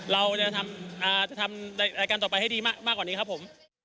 เราจะทำรายการต่อไปให้ดีมากกว่านี้ครับผม